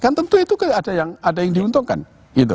kan tentu itu ada yang diuntungkan